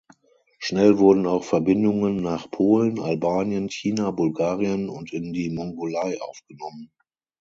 Schnell wurden auch Verbindungen nach Polen, Albanien, China, Bulgarien und in die Mongolei aufgenommen.